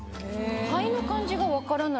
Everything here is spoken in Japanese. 灰の感じが分からない。